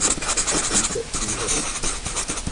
一個機會